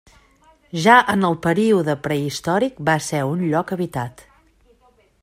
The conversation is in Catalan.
Ja en el període prehistòric va ser un lloc habitat.